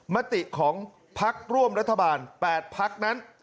มติของพักร่วมรัฐบาล๘พักนั้น